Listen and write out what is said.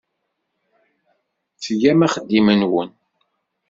Tgam axeddim-nwen.